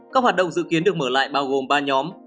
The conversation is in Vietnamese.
các hoạt động dự kiến được mở lại bao gồm ba nhóm